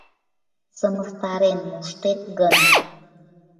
Сымыстарен моштет гын...